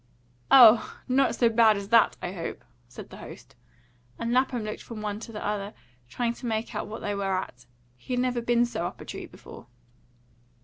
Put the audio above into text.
"Oh, not so bad as that, I hope," said the host; and Lapham looked from one to the other, trying to make out what they were at. He had never been so up a tree before.